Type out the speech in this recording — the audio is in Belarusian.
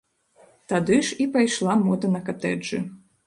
Тады ж і пайшла мода на катэджы.